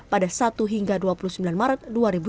pada satu hingga dua puluh sembilan maret dua ribu dua puluh